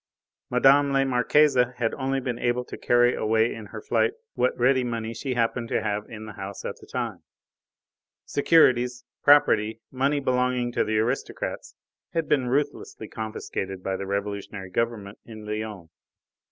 Mme. la Marquise had only been able to carry away in her flight what ready money she happened to have in the house at the time. Securities, property, money belonging to aristocrats had been ruthlessly confiscated by the revolutionary government in Lyons.